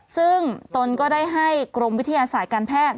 ซึ่งตนก็ได้ให้กรมวิทยาศาสตร์การแพทย์